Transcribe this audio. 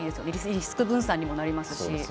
リスク分散にもなりますし。